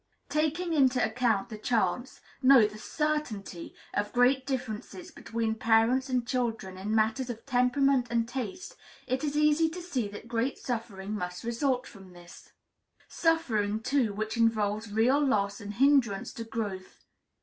Taking into account the chance no, the certainty of great differences between parents and children in matters of temperament and taste, it is easy to see that great suffering must result from this; suffering, too, which involves real loss and hindrance to growth.